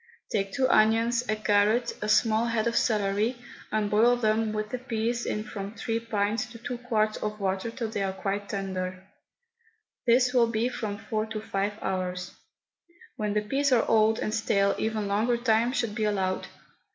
Take two onions, a carrot, a small head of celery, and boil them with the peas in from three pints to two quarts of water till they are tender. This will be from four to five hours. When the peas are old and stale even longer time should be allowed.